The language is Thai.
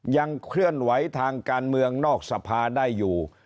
เคลื่อนไหวทางการเมืองนอกสภาได้อยู่